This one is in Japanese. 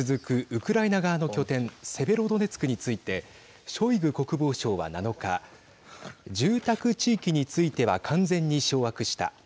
ウクライナ側の拠点セベロドネツクについてショイグ国防相は、７日住宅地域については完全に掌握した。